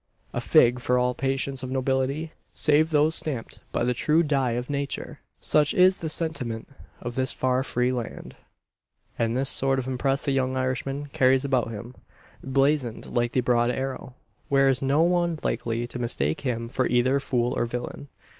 A fig for all patents of nobility save those stamped by the true die of Nature! Such is the sentiment of this far free land. And this sort of impress the young Irishman carries about him blazoned like the broad arrow. There is no one likely to mistake him for either fool or villain.